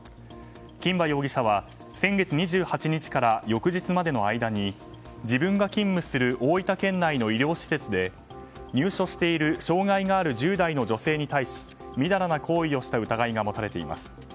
金馬容疑者は先月２８日から翌日までの間に自分が勤務する大分県内の医療施設で、入所している障害がある１０代の女性に対しみだらな行為をした疑いが持たれています。